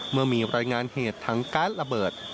เมื่อมีรายงานเหตุทั้งการ์ดระเบิด